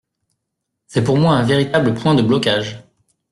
C’est pour moi un véritable point de blocage.